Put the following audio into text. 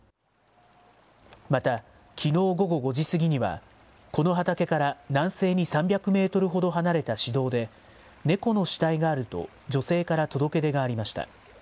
また、きのう午後５時過ぎにはこの畑から南西に３００メートルほど離れた市道で、猫の死体があると女性から届け出がありました。